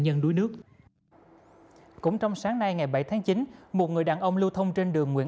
nhân đuối nước cũng trong sáng nay ngày bảy tháng chín một người đàn ông lưu thông trên đường nguyễn